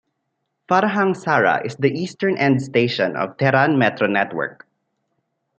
Farhang Sara is the eastern end-station of Tehran Metro network.